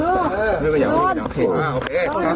ครูกัดสบัติคร้าว